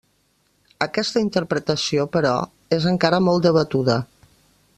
Aquesta interpretació, però, és encara molt debatuda.